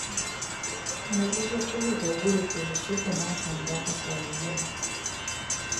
Muzizo ki oguli ku lusuku n'akambe akasala ennyama?